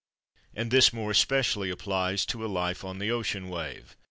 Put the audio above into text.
And this more especially applies to a life on the ocean wave.